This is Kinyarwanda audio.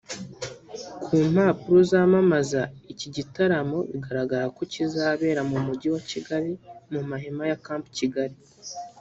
Ku mpapuro zamamaza iki igitaramo bigaragara ko kizabera mu mugi wa Kigali mu mahema ya “Camp Kigali”